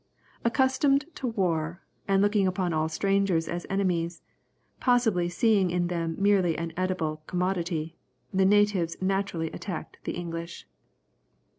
Accustomed to war, and looking upon all strangers as enemies, possibly seeing in them merely an edible commodity, the natives naturally attacked the English.